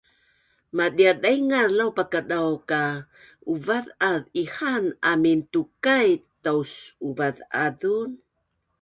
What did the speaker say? madia daingaz laupakadau ka uvaz’az ihaan amin tukai taus’uvaz’azun